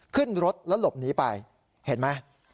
ขึ้นรถแล้วหลบหนีไปเห็นไหม